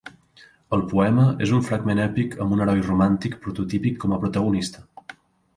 El poema és un fragment èpic amb un heroi romàntic prototípic com a protagonista.